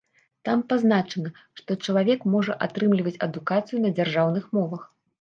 Там пазначана, што чалавек можа атрымліваць адукацыю на дзяржаўных мовах.